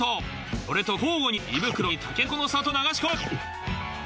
これと交互に胃袋にたけのこの里を流し込む。